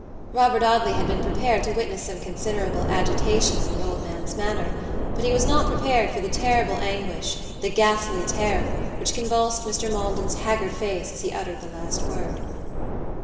Robert Audley had been prepared to witness some considerable agitation in the old man's manner, but he was not prepared for the terrible anguish, the ghastly terror, which convulsed Mr. Maldon's haggard face as he uttered the last word.